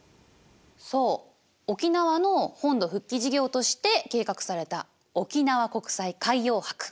そう沖縄の本土復帰事業として計画された沖縄国際海洋博。